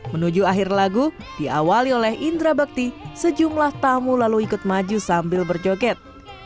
menuju akhir lagu diawali oleh indra bakti sejumlah tamu lalu ikut maju sambil berjoget